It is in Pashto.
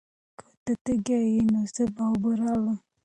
که ته تږی یې، نو زه به اوبه راوړم.